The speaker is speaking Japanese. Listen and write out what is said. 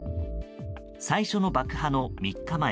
最初の爆破の３日前